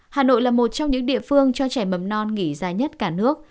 hà nội là một trong những địa phương cho trẻ mầm non nghỉ dài nhất cả nước